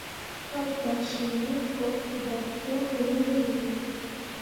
Pa gbaa ciŋ hũko, bakyole ɓo ne giini.